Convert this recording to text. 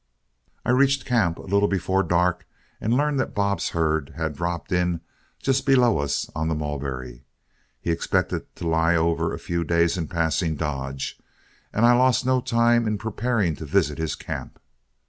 I reached camp a little before dark, and learned that Bob's herd had dropped in just below us on the Mulberry. He expected to lie over a few days in passing Dodge, and I lost no time in preparing to visit his camp.